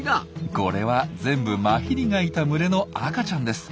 これは全部マヒリがいた群れの赤ちゃんです。